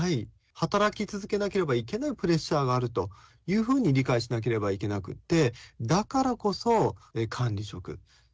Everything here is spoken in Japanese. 働き続けなければいけないプレッシャーがあるというふうに理解しなければいけなくって。